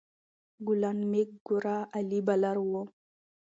ګلن میک ګرا عالي بالر وو.